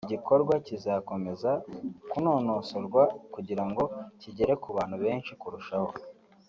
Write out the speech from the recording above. iki gikorwa kizakomeza kunonosorwa kugira ngo kigere ku bantu benshi kurushaho